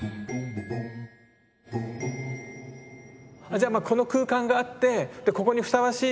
じゃあまあこの空間があってここにふさわしい